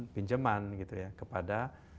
pinjeman gitu ya kepada